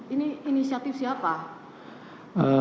ini inisiatif siapa